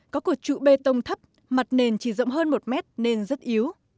có cột trụ bê tông thấp mặt nền chỉ rộng hơn một mét nên rất yếu